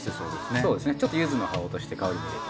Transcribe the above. そうですねちょっとゆずの葉を落として香りも入れて。